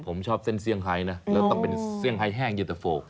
ผมชอบเส้นเซี่ยงไฮนะแล้วต้องเป็นเซี่ยงไฮแห้งเย็นตะโฟ